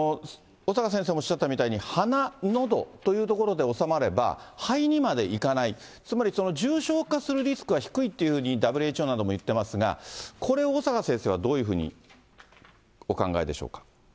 小坂先生もおっしゃったみたいに、鼻、のどというところで収まれば、肺にまでいかない、つまり、重症化するリスクは低いというふうにＷＨＯなどもいってますが、これ、小坂先生はどういうふうにお考えでしょうか。